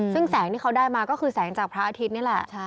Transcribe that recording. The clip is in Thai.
ซึ่งแสงที่เขาได้มาก็คือแสงจากพระอาทิตย์นี่แหละ